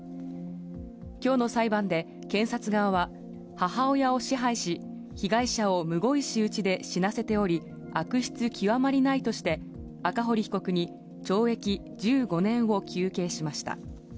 きょうの裁判で検察側は、母親を支配し、被害者をむごい仕打ちで死なせており、悪質極まりないとして、赤堀被告に懲役１５年を求刑しました。